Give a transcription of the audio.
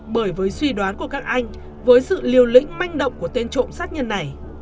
bởi với suy đoán của các anh với sự liều lĩnh manh động của tên trộm sát nhân này